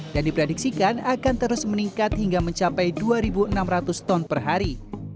dan diprediksikan akan terus meningkat hingga mencapai dua enam ratus ton per hari